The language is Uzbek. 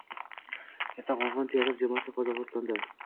Kattaqo‘rg‘on teatr jamoasi Qozog‘istondang